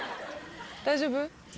大丈夫？